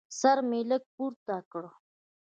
سر مې لږ پورته کړ.